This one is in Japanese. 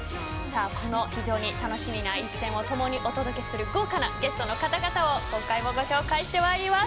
この非常に楽しみな一戦をともにお届けする豪華なゲストの方々を今回もご紹介してまいります。